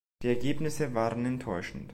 Die Ergebnisse waren enttäuschend.